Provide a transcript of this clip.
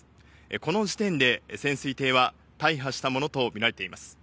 この時点で潜水艇は大破したものと見られています。